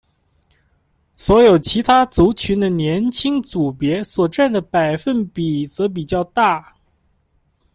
所有其他族群的年轻组别所占的百分比则比较大。